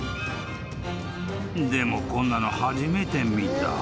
［でもこんなの初めて見た］